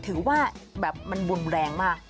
ถือว่าแบบมันรุนแรงมาก